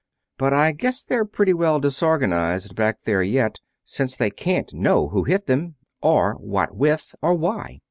But I guess they're pretty well disorganized back there yet, since they can't know who hit them, or what with, or why.